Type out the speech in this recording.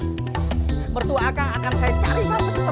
hai bertuahkan akan saya cari whatever